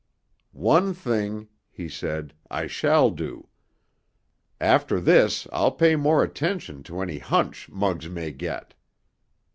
"One thing," he said, "I shall do. After this I'll pay more attention to any hunch Muggs may get.